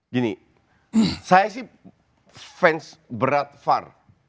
gini saya sih fans berat var